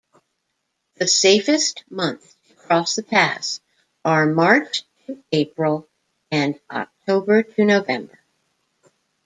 The safest months to cross the pass are March-April and October-November.